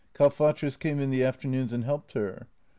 Kalfatrus came in the afternoons and helped her.